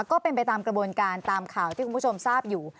ก็เป็นไปตามกระบวนการตามข่าวที่คุณผู้ชมทราบอยู่